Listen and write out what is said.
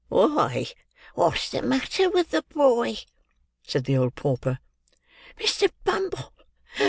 "Why, what's the matter with the boy!" said the old pauper. "Mr. Bumble!